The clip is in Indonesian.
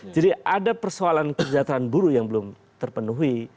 jadi ada persoalan kejahatan buruh yang belum terpenuhi